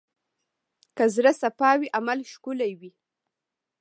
که زړه صفا وي، عمل ښکلی وي.